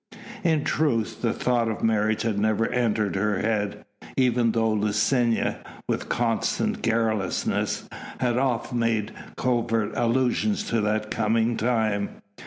In truth the thought of marriage had never entered her head, even though Licinia with constant garrulousness had oft made covert allusions to that coming time.